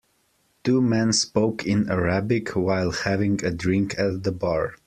Two men spoke in Arabic while having a drink at the bar.